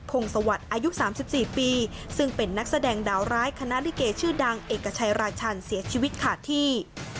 พงศวรรษอายุสามสิบสี่ปีซึ่งเป็นนักแสดงดาวร้ายคณะลิเกชชื่อดังเอกชายราชันเสียชีวิตขาดที่